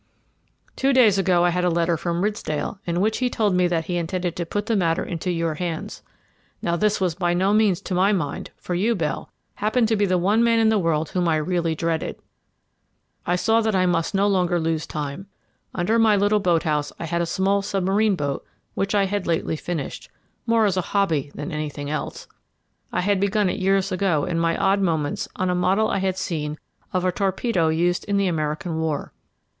"Two days ago I had a letter from Ridsdale in which he told me that he intended to put the matter into your hands. Now this was by no means to my mind, for you, Bell, happened to be the one man in the world whom I really dreaded. I saw that I must no longer lose time. Under my little boat house I had a small submarine boat which I had lately finished, more as a hobby than anything else. I had begun it years ago in my odd moments on a model I had seen of a torpedo used in the American War.